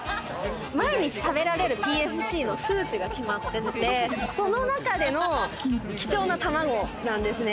毎日食べられるＰＦＣの数字が決まってて、その中での貴重な卵なんですね。